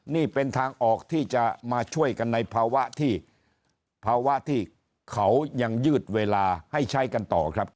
นี่เป็นทางออกที่จะมาช่วยกันในภาวะที่ภาวะที่เขายังยืดเวลาให้ใช้กันต่อครับ